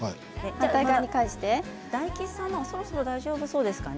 大吉さんのは、そろそろ大丈夫ですかね。